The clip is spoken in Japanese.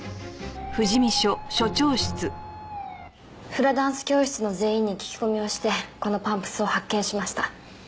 フラダンス教室の全員に聞き込みをしてこのパンプスを発見しました。